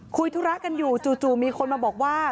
ธุระกันอยู่จู่มีคนมาบอกว่า